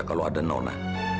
kalau ada nona